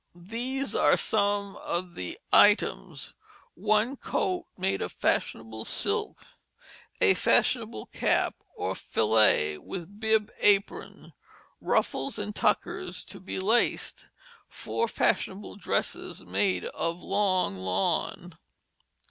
These are some of the items: "1 Coat made of Fashionable Silk. A Fashionable Cap or fillet with Bib apron. Ruffles and Tuckers, to be laced. 4 Fashionable Dresses made of Long Lawn.